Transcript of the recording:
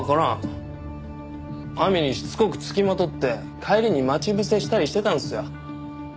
亜美にしつこく付きまとって帰りに待ち伏せしたりしてたんすよ。